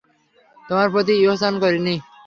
তোমার প্রতি ইহসান করিনি?